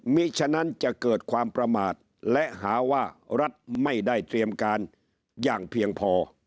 มีฉะนั้นจะเกิดความประมาทและหาว่ารัฐไม่ได้เตรียมการอย่างเพียงพอ